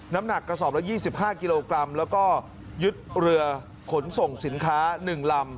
น้ำหนักกระสอบละ๒๕กิโลกรัมแล้วก็ยึดเรือขนส่งสินค้า๑ลำ